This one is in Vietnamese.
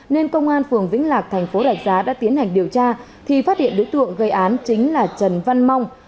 nên công an phường vĩnh lạc thành phố rạch giá đã tiến hành điều tra thì phát hiện đối tượng gây án chính là trần văn mong